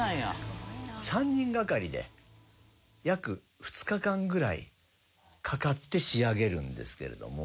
３人がかりで約２日間ぐらいかかって仕上げるんですけれども。